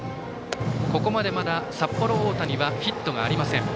ここまでまだ札幌大谷はヒットがありません。